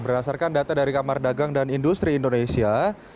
berdasarkan data dari kamar dagang dan industri indonesia